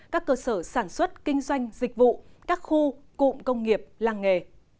các cơ sở sản xuất kinh doanh dịch vụ các khu cụm công nghiệp làng nghề